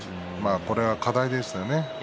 これは課題ですよね